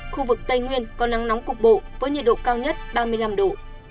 khu vực tây nguyên có nắng nóng cục bộ với nhiệt độ cao nhất ba mươi năm độ